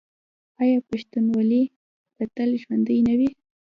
آیا پښتونولي به تل ژوندي نه وي؟